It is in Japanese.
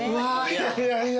いやいやいや。